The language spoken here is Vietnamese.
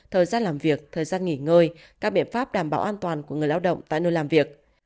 thời gian làm việc thời gian nghỉ ngơi các biện pháp đảm bảo an toàn của người lao động tại nơi làm việc